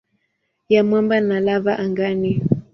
ya mwamba na lava angani.